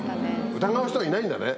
疑う人いないんだね。